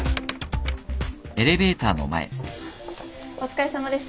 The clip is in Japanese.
お疲れさまです。